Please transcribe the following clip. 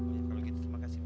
terima kasih pak